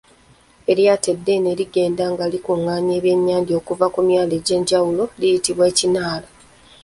Eryato eddene erigenda nga likungaanya ebyennyanja okuva ku myalo egy’enjawulo liyitibwa Ekinaala.